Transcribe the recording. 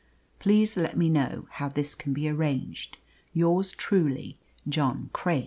Please let me know how this can be arranged. Yours truly, "JOHN CRAIK."